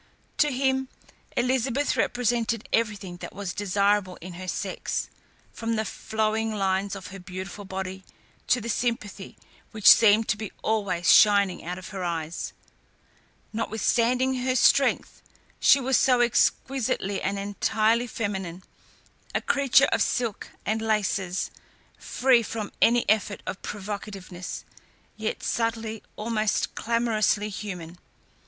To him, Elizabeth represented everything that was desirable in her sex, from the flowing lines of her beautiful body to the sympathy which seemed to be always shining out of her eyes. Notwithstanding her strength, she was so exquisitely and entirely feminine, a creature of silk and laces, free from any effort of provocativeness, yet subtly, almost clamorously human.